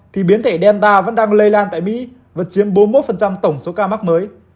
thì biến thể delta vẫn đang lây lan tại mỹ và chiếm bốn mươi một tổng số ca mắc mới